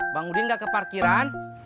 bang udin ga ke parkiran